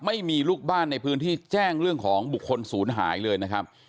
ไม่มีลูกบ้านในพื้นที่แจ้งเรื่องของบุคคลศูนย์หายเลยนะครับ